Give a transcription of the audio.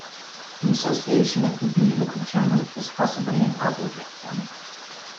The association of the bee with the termite is possibly an obligate one.